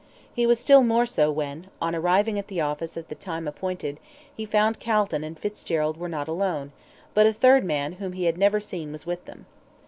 He was still more so when, on arriving at the office at the time appointed, he found Calton and Fitzgerald were not alone, but a third man whom he had never seen was with them.